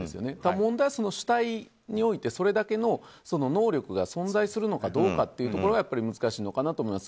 問題は、主体においてそれだけの能力が存在するのかどうかがやっぱり難しいのかと思います。